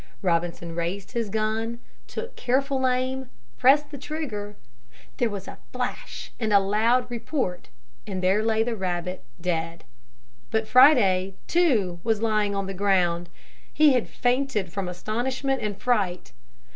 Robinson raised his gun, took careful aim, pressed the trigger. There was a flash and loud report and there lay the rabbit dead. But Friday, too, was lying on the ground. He had fainted from astonishment and fright.